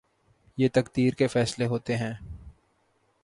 یہ تقدیر کے فیصلے ہوتے ہیں۔